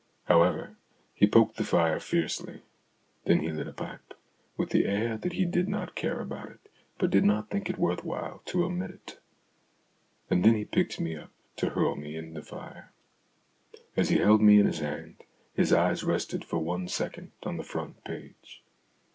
However, he poked the fire fiercely ; then he lit a pipe, with the air that he did not care about it, but did not think it worth while to omit it. And then he picked me up, to hurl me in the fire. As he held me in his hand, his eye rested for one second on the front page.